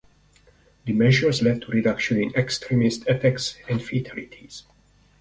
The measures led to reduction in extremist attacks and fatalities.